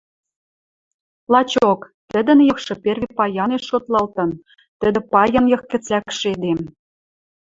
Лачок, тӹдӹн йыхшы перви паянеш шотлалтын, тӹдӹ — паян йых гӹц лӓкшӹ эдем.